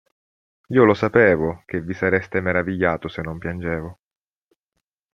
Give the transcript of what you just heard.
Io lo sapevo, che vi sareste meravigliato se non piangevo.